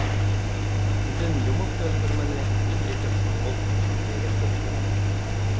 Күҙен йомоп та өлгөрмәне, ниндәйҙер һорғолт томшоҡ эйәген төрткөләне.